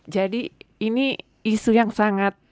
jadi ini isu yang sangat